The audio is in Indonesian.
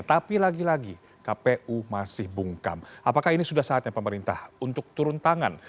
tapi lagi lagi kpu masih bungkam apakah ini sudah saatnya pemerintah untuk turun tangan